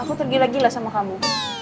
aku tergila gila sama kamu